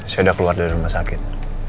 saya sudah keluar dari rumah sakit